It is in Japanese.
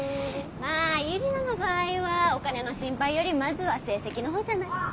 まあユリナの場合はお金の心配よりまずは成績の方じゃない？